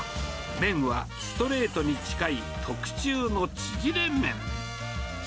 麺はストレートに近い特注の縮れ麺。